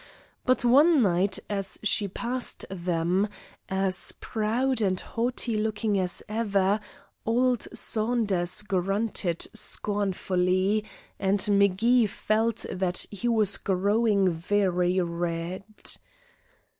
But one night as she passed them, as proud and haughty looking as ever, old Sanders grunted scornfully, and M'Gee felt that he was growing very red.